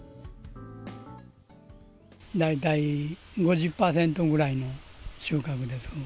大体５０％ぐらいの収穫です。